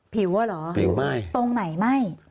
ผิวอะหรอตรงไหนไหม้